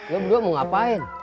lo berdua mau ngapain